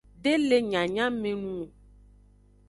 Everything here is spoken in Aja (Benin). De le nyanyamenung o.